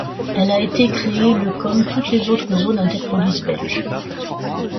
Elle a été créée le comme toutes les autres zones interpolices belge.